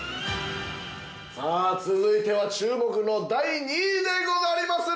◆さあ、続いては注目の第２位でござりまする。